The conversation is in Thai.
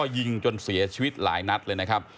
ยิงจนเสียชีวิตหลายนัดเลยนะครับ